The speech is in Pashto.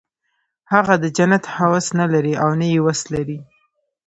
هغه د جنت هوس نه لري او نه یې وس لري